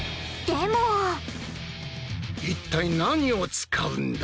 でも一体何を使うんだ？